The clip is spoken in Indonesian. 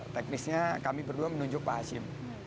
teknisnya kami berdua menunjuk pak hasim